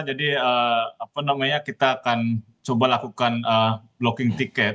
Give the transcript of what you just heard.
jadi kita akan coba lakukan blocking team